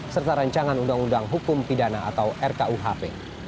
serta rancangan undang undang hukum pidana atau rkuhp